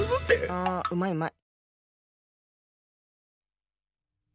あうまいうまい。